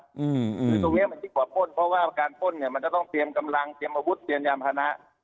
คือตรงนี้มันยิ่งกว่าพ่นเพราะว่าการพ่นเนี่ยมันจะต้องเตรียมกำลังเตรียมอาวุธเตรียมยามพนะ